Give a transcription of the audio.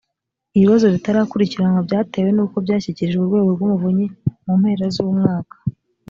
ibibazo bitarakurikiranwa byatewe n uko byashyikirijwe urwego rw umuvunyi mu mpera z umwaka